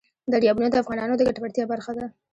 دریابونه د افغانانو د ګټورتیا برخه ده.